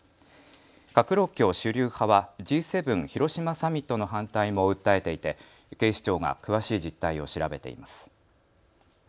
革労協主流派はＧ７広島サミットの反対も訴えていて警視庁が詳しい実態を調べています。